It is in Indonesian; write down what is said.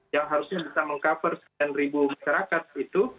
yang harusnya bisa meng cover tujuh masyarakat itu